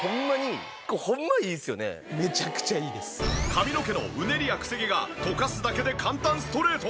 髪の毛のうねりやクセ毛がとかすだけで簡単ストレート。